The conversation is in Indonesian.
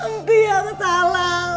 mpih yang salah